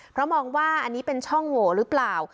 เพราะมองว่าอันนี้เป็นช่องโหวหรือเปล่า